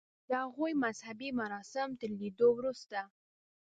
د هغوی مذهبي مراسم تر لیدو وروسته.